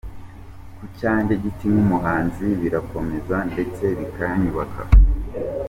Ku cyanjye giti nk’umuhanzi birankomeza ndetse bikanyubaka.